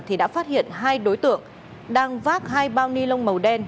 thì đã phát hiện hai đối tượng đang vác hai bao ni lông màu đen